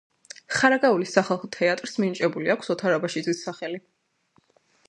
ხარაგაულის სახალხო თეატრს მინიჭებული აქვს ოთარ აბაშიძის სახელი.